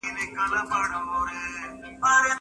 پلار د انسانیت او بشریت د خدمت لپاره یو سپیڅلی هوډ لري.